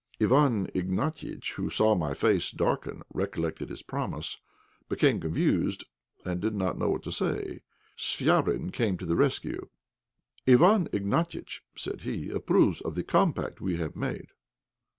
Iwán Ignatiitch, who saw my face darken, recollected his promise, became confused, and did not know what to say. Chvabrine came to the rescue. "Iwán Ignatiitch," said he, "approves of the compact we have made."